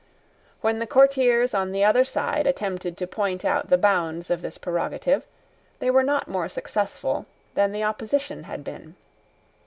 When the courtiers on the other side attempted to point out the bounds of this prerogative, they were not more successful than the opposition had been.